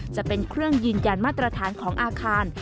จะเป็นเครื่องยืนยันมาตรฐานของอาคาร